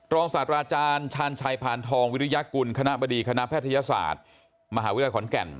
ศาสตราอาจารย์ชาญชัยพานทองวิริยากุลคณะบดีคณะแพทยศาสตร์มหาวิทยาลัยขอนแก่น